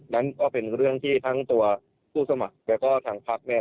นั้นก็เป็นเรื่องที่ทั้งตัวผู้สมัครแล้วก็ทางพักเนี่ย